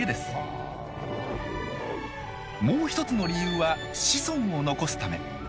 もう一つの理由は「子孫を残すため」。